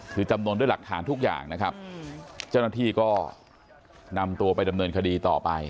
คือจำนวนด้วยหลักฐานทุกอย่างนะครับเจ้าหน้าที่ก็นำตัวไปดำเนินคดีต่อไป